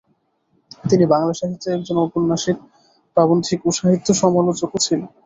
তিনি বাংলা সাহিত্যের একজন ঔপন্যাসিক প্রাবন্ধিক ও সাহিত্য সমালোচকও ছিলেন।